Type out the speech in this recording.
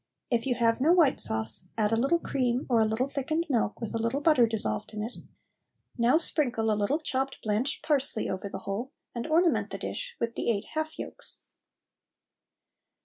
If you have no white sauce add a little cream or a little thickened milk with a little butter dissolved in it; now sprinkle a little chopped blanched parsley over the whole and ornament the dish with the eight half yolks.